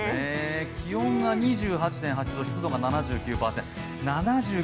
気温が２８．８度、湿度が７９％。